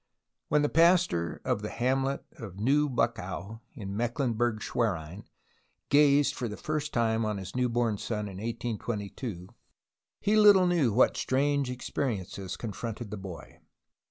When the pastor of the hamlet of Neu Buckow in Mecklenburg Schwerin gazed for the first time on his new born son in 1822, he little knew what strange experiences confronted the boy.